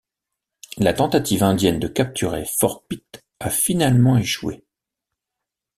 La tentative indienne de capturer Fort Pitt a finalement échoué.